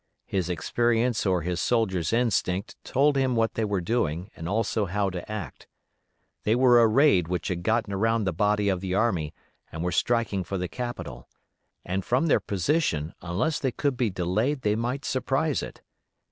His experience or his soldier's instinct told him what they were doing and also how to act. They were a raid which had gotten around the body of the army and were striking for the capital; and from their position, unless they could be delayed they might surprise it.